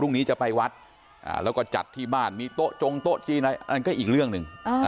จะไปวัดแล้วก็จัดที่บ้านมีโต๊ะจงโต๊ะจีนอะไรอันก็อีกเรื่องหนึ่ง